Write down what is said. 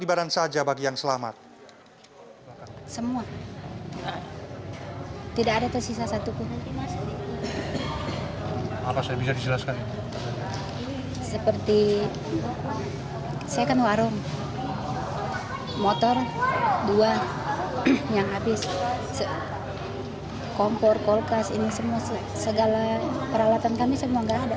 ini kan warung motor dua yang habis kompor kolkas ini semua segala peralatan kami semua tidak ada